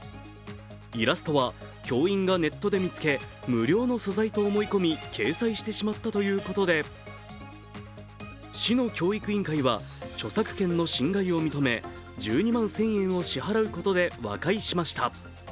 イラストは教員がネットで見つけ、無料の素材と思い込み掲載してしまったということで市の教育委員会は著作権の侵害を認め１２万１０００円を支払うことで和解しました。